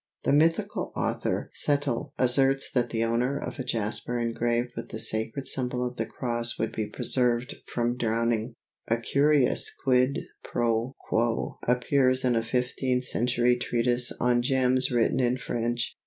The mythical author Cethel asserts that the owner of a jasper engraved with the sacred symbol of the cross would be preserved from drowning. A curious quid pro quo appears in a fifteenth century treatise on gems written in French.